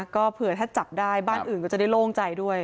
ก็เผื่อถ้าจับได้บ้านอื่นก็จะได้โล่งใจด้วย